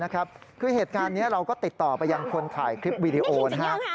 คือเหตุการณ์นี้เราก็ติดต่อไปยังคนถ่ายคลิปวีดีโอนะครับ